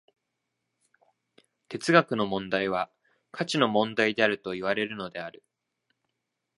哲学の問題は価値の問題であるといわれるのである。